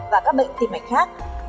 và các bệnh tìm mạch khác